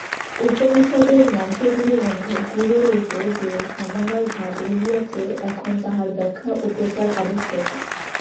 উপনিষদের মন্ত্রগুলির মধ্যে গূঢ়রূপে যে সমন্বয়ভাব রহিয়াছে, এখন তাহার ব্যাখ্যা ও প্রচার আবশ্যক।